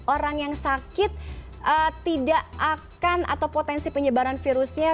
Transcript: orang yang sakit tidak akan atau potensi penyebaran virusnya